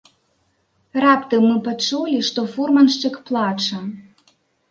Раптам мы пачулі, што фурманшчык плача.